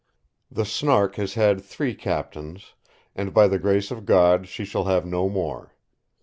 The Snark has had three captains, and by the grace of God she shall have no more.